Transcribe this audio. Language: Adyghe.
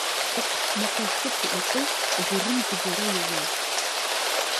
«ТӀыкъ» мэкъэшхо пыӀукӀэу гъурым зыгорэ еуагъ.